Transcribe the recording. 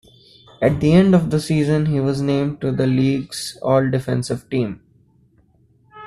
At the end of the season, he was named to the league's All-Defensive Team.